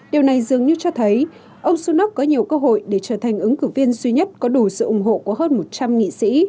điều này dường như cho thấy ông sunak có nhiều cơ hội để trở thành ứng cử viên duy nhất có đủ sự ủng hộ của hơn một trăm linh nghị sĩ